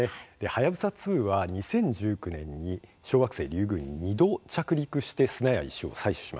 はやぶさ２は２０１９年に小惑星リュウグウに２度着陸して砂や石を採取しました。